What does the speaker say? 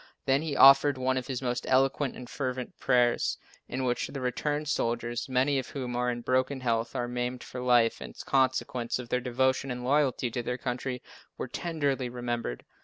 Then he offered one of his most eloquent and fervent prayers, in which the returned soldiers, many of whom are in broken health or maimed for life, in consequence of their devotion and loyalty to their country, were tenderly remembered.